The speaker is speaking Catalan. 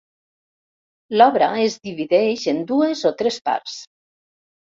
L'obra es divideix en dues o tres parts.